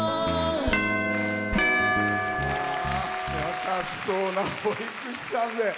優しそうな保育士さんで。